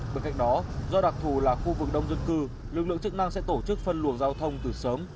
bên cạnh đó do đặc thù là khu vực đông dân cư lực lượng chức năng sẽ tổ chức phân luồng giao thông từ sớm